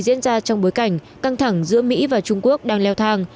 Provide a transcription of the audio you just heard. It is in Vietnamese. diễn ra trong bối cảnh căng thẳng giữa mỹ và trung quốc đang leo thang